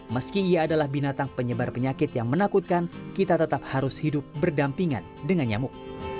meski ia adalah binatang penyebar penyakit yang menakutkan kita tetap harus hidup berdampingan dengan nyamuk